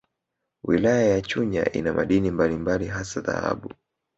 Wilaya ya Chunya ina madini mbalimbali hasa dhahabu